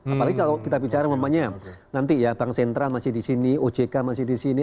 apalagi kalau kita bicara nanti ya bank sentral masih di sini ojk masih di sini